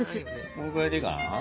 このぐらいでいいかな？